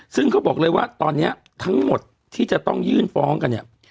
ซึ่งเขาบอกเลยว่าตอนนี้ทั้งหมดที่จะต้องยื่นฟ้องกันเนี่ย